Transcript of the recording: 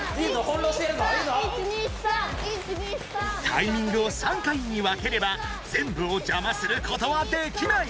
タイミングを３回に分ければ全部をじゃますることはできない。